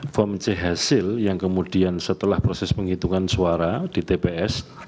form c hasil yang kemudian setelah proses penghitungan suara di tps